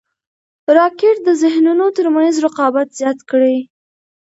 راکټ د ذهنونو تر منځ رقابت زیات کړی